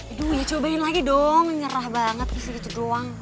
aduh ya cobain lagi dong menyerah banget gitu gitu doang